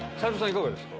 いかがですか？